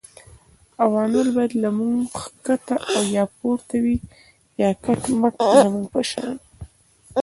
عوامل باید له موږ ښکته یا پورته وي یا کټ مټ زموږ په شان